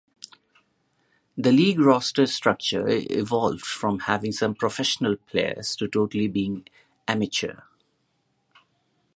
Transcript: The league roster structure evolved from having some professional players to totally being amateur.